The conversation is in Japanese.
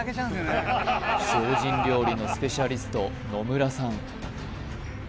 精進料理のスペシャリスト野村さん